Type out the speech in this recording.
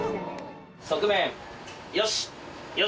側面、よし！